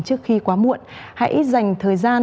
trước khi quá muộn hãy dành thời gian